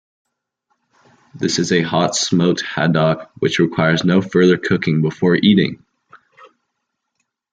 This is a hot-smoked haddock which requires no further cooking before eating.